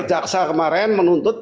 jaksa kemarin menuntut